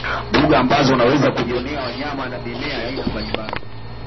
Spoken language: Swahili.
Mbuga ambazo unaweza kujionea wanyama na mimea ya aina mbalimbali